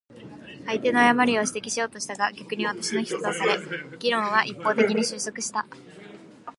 相手の誤りを指摘しようとしたが、逆に私の非とされ、議論は一方的に収束した。